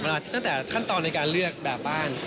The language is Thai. ตั้งแต่ขั้นตอนในการเลือกแบบบ้าน